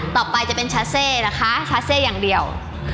ต่อไปจะเป็นชาเซ่นะคะชาเซ่อย่างเดียว